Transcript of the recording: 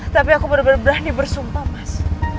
tapi aku bener bener berani bersumpah mas